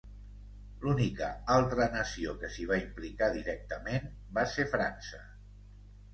L'única altra nació que s'hi va implicar directament va ser França.